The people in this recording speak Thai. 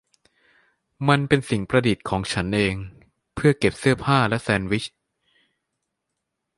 มันเป็นสิ่งประดิษฐ์ของฉันเอง เพื่อเก็บเสื้อผ้าและแซนด์วิช